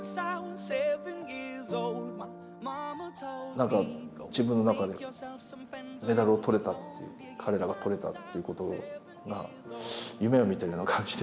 何か自分の中でメダルをとれたっていう彼らがとれたっていうことを夢を見ているような感じで。